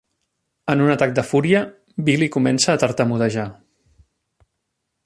En un atac de fúria, Billy comença a tartamudejar.